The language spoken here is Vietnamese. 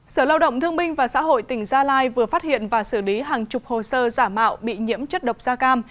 sở lao động thương minh và xã hội tỉnh gia lai vừa phát hiện và xử lý hàng chục hồ sơ giả mạo bị nhiễm chất độc da cam